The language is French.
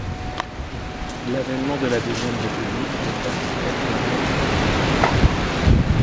L'avènement de la deuxième République l'écarte quelques mois des affaires.